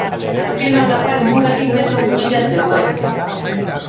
Azken aldapa helmugatik metro gutxira zegoen.